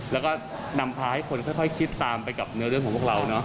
แล้วก็นำพาให้คนค่อยคิดตามไปกับเนื้อเรื่องของพวกเราเนอะ